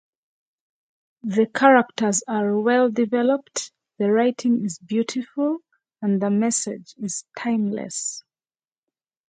The characters are well-developed, the writing is beautiful, and the message is timeless.